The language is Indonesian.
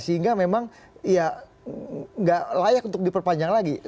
sehingga memang ya nggak layak untuk diperpanjang lagi